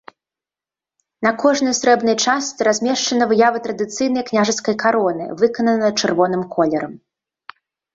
На кожнай срэбнай частцы размешчана выява традыцыйнай княжацкай кароны, выканана чырвоным колерам.